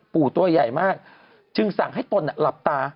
ตัวใหญ่มากจึงสั่งให้ตนหลับตา